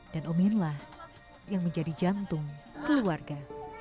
dan ominlah yang menjadi jantung keluarga